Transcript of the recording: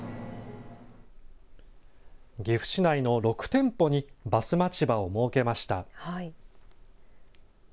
岐阜市内の６店舗にバスまちばを設けました。